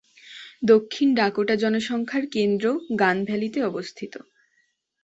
দক্ষিণ ডাকোটা জনসংখ্যার কেন্দ্র গান ভ্যালিতে অবস্থিত।